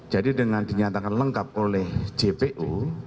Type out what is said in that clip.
jadi dengan dinyatakan lengkap oleh jpu